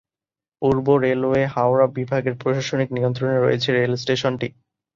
পূর্ব রেলওয়ের হাওড়া বিভাগের প্রশাসনিক নিয়ন্ত্রণে রয়েছে রেল স্টেশনটি।